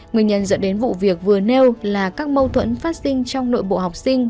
nguyên nhân dẫn đến vụ việc vừa nêu là các mâu thuẫn phát sinh trong nội bộ học sinh